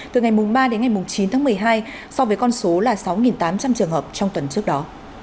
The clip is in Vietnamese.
từ ngày ba đến ngày chín tháng một mươi hai so với con số là sáu tám trăm linh trường hợp trong tuần trước đó